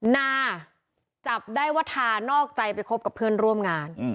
นาจับได้ว่าทานอกใจไปคบกับเพื่อนร่วมงาน